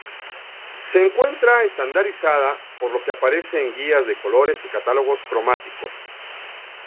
Se encuentra estandarizada, por lo que aparece en guías de colores y catálogos cromáticos.